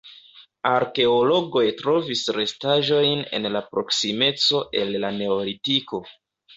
Arkeologoj trovis restaĵojn en la proksimeco el la neolitiko.